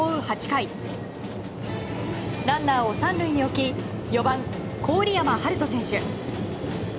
８回ランナーを３塁に置き４番、郡山遥翔選手。